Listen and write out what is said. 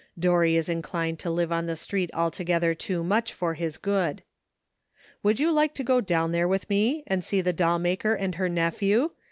Dorry is inclined to live on the street altogether too much for his good. 287 288 GREAT QUESTIONS SETTLED. " Would you like to go down there with nie and see the doll maker and her nephew?